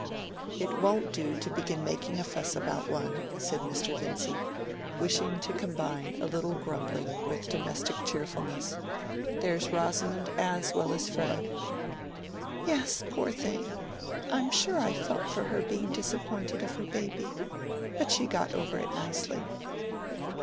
"It won't do to begin making a fuss about one," said Mr. Vincy, wishing to combine a little grumbling with domestic cheerfulness. "There's Rosamond as well as Fred." "Yes, poor thing. I'm sure I felt for her being disappointed of her baby; but she got over it nicely."